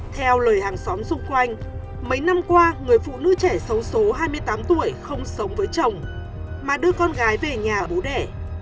theo lời hàng xóm xung quanh mấy năm qua người phụ nữ trẻ xấu số hai mươi tám tuổi không sống với chồng mà đưa con gái về nhà bố đẻ